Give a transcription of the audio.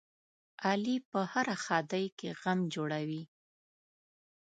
علي په هره ښادۍ کې غم جوړوي.